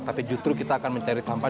tapi justru kita akan mencari tempat